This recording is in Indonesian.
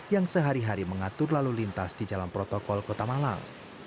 yang sehari hari mengatur lalu lintas di jalan protokol kota malang